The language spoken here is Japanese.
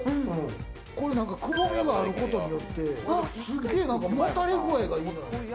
これ、なんか、くぼみがあることによって、すげぇもたれ具合がいい。